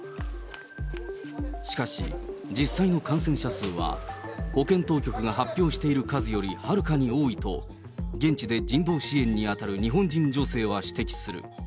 しかし、実際の感染者数は、保健当局が発表している数よりはるかに多いと、現地で人道支援に当たる日本人女性は指摘する。